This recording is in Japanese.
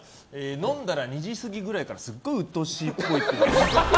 飲んだら２時過ぎくらいからすっごいうっとうしいっぽい。